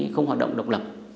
không hoạt động độc lập